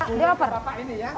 ini apa pak